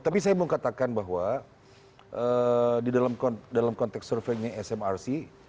tapi saya mau katakan bahwa di dalam konteks surveinya smrc